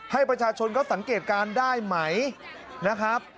ให้ประชาชนเขาสังเกตการณ์ได้ไหมนะครับ